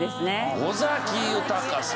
尾崎豊さん。